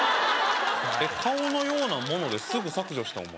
顔のようなものですぐ削除したの？